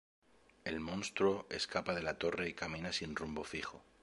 El monstruo escapa de la torre y camina sin rumbo fijo.